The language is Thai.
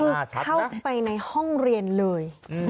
คือเข้าไปในห้องเรียนเลย